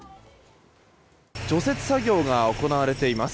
除雪作業が行われています。